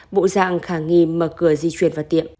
bộ dạng khả nghi mở cửa di chuyển vào tiệm